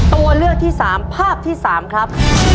ตัวเลือกที่๓ภาพที่๓ครับ